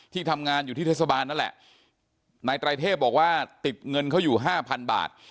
ทำงานอยู่ที่เทศบาลนั่นแหละนายไตรเทพบอกว่าติดเงินเขาอยู่ห้าพันบาท